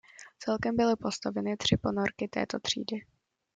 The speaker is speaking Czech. Celkem byly postaveny tři ponorky této třídy.